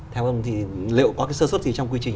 theo ông thì liệu có cái sơ xuất gì trong quy trình